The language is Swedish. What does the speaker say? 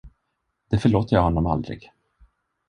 Det förlåter jag honom aldrig.